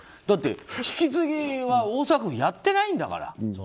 だって、引き継ぎは大阪府やってないんだから。